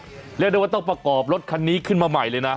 เรียกได้ว่าต้องประกอบรถคันนี้ขึ้นมาใหม่เลยนะ